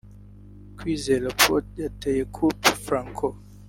Kwizera Pierrot yateye coup franc